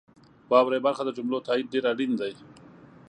واورئ برخه د جملو تایید ډیر اړین دی.